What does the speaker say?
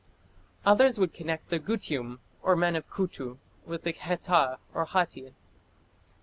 Others would connect the Gutium, or men of Kutu, with the Kheta or Hatti.